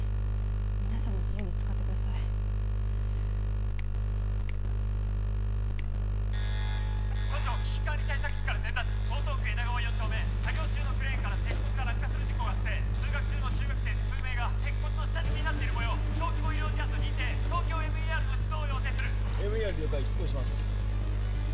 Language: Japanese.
皆さんの自由に使ってください都庁危機管理対策室から伝達江東区枝川４丁目作業中のクレーンから鉄骨が落下する事故が発生通学中の中学生数名が鉄骨の下敷きになっているもよう小規模医療事案と認定ＴＯＫＹＯＭＥＲの出動を要請するＭＥＲ了解出動します